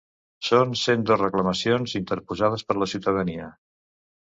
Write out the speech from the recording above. Són cent dos reclamacions interposades per la ciutadania.